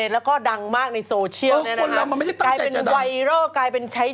แล้วก็ดังมากในโซเชียลแน่นอนค่ะ